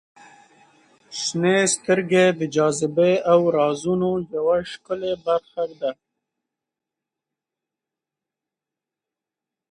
• شنې سترګې د جاذبې او رازونو یوه ښکلې برخه ده.